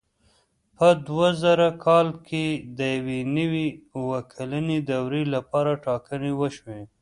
په دوه زره کال کې د یوې نوې اووه کلنې دورې لپاره ټاکنې وشوې.